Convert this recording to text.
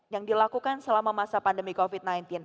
yang dilakukan selama masa pandemi covid sembilan belas